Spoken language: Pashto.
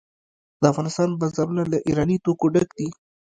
د افغانستان بازارونه له ایراني توکو ډک دي.